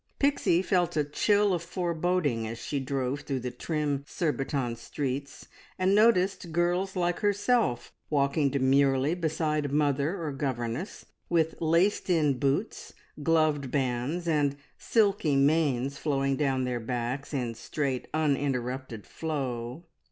Pixie felt a chill of foreboding as she drove through the trim Surbiton streets and noticed girls like herself walking demurely beside mother or governess, with laced in boots, gloved bands, and silky manes flowing down their backs in straight, uninterrupted flow.